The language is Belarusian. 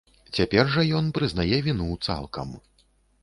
Цяпер жа ён прызнае віну цалкам.